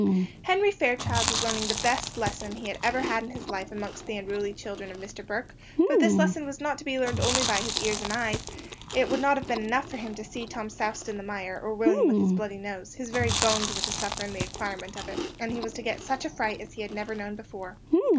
Henry Fairchild was learning the best lesson he had ever had in his life amongst the unruly children of Mr. Burke; but this lesson was not to be learned only by his ears and eyes; it would not have been enough for him to have seen Tom soused in the mire, or William with his bloody nose; his very bones were to suffer in the acquirement of it, and he was to get such a fright as he had never known before.